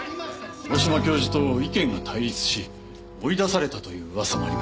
大島教授と意見が対立し追い出されたという噂もあります。